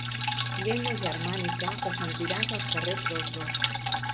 Llengua germànica que sentiràs als carrers d'Oslo.